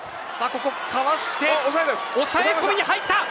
ここをかわして抑え込みに入った。